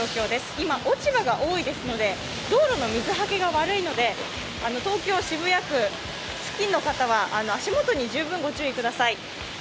今、落ち葉が多いですので道路の水はけが悪いので東京・渋谷区、付近の方は足元に十分御注意ください。